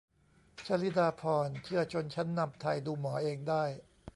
'ชลิดาภรณ์' เชื่อชนชั้นนำไทยดูหมอเองได้